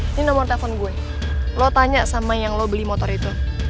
ini nomor telepon gue lo tanya sama yang lo beli motor itu